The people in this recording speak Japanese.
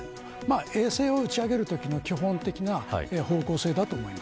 衛星を打ち上げるときの基本的な方向性だと思います。